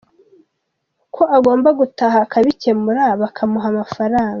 Ko agomba gutaha akabikemura bakamuha amafaranga.